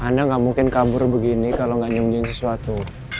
anda gak mungkin kabur begini ree kalau gak nyundiain sesuatu